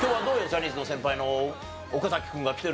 ジャニーズの先輩の岡崎君が来てるけれども。